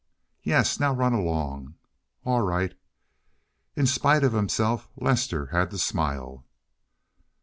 "Yes. Now run along." "All right." In spite of himself Lester had to smile.